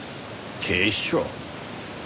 警視庁？